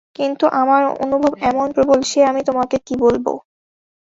কিন্তু আমার অনুভব এমন প্রবল সে আমি তোমাকে কী বলব।